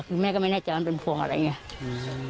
คือแม่ก็ไม่แน่ใจว่ามันเป็นพวงอะไรเนี้ยอืม